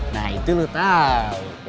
nah itu lo tau